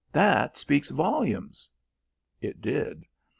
That speaks volumes." It did.